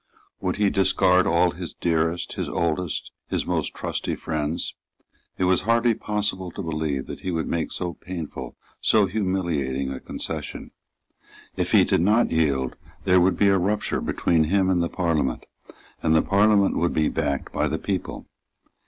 Would he discard all his dearest, his oldest, his most trusty friends? It was hardly possible to believe that he would make so painful, so humiliating a concession. If he did not yield, there would be a rupture between him and the Parliament; and the Parliament would be backed by the people.